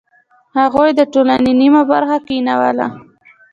هغوی د ټولنې نیمه برخه کینوله.